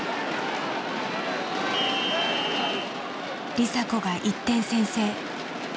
梨紗子が１点先制。